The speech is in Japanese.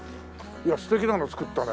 いや素敵なの造ったね。